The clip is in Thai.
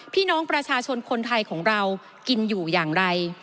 พี่น้องประชาชนคนไทยของเรากินอยู่อย่างไร